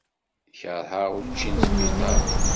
Kerheɣ učči n sbiṭar.